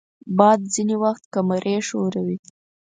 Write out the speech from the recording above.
باد ځینې وخت کمرې ښوروي